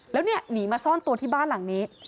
แล้วเนี่ยหนีมาซ่อนตัวที่บ้านหลังนี้